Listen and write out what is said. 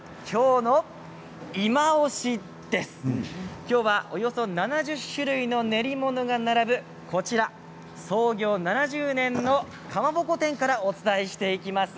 今日は、およそ７０種類の練り物が並ぶ創業７０年のかまぼこ店からお伝えしていきます。